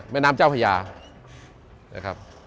แม่น้ำเจ้าพญานะครับ